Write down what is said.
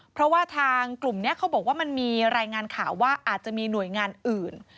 เพราะว่าทางกลุ่มนี้เขาบอกว่ามันมีรายงานข่าวว่าอาจจะมีหน่วยงานอื่น